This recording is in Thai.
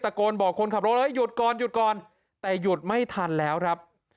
โกนบอกคนขับรถเฮ้ยหยุดก่อนหยุดก่อนแต่หยุดไม่ทันแล้วครับ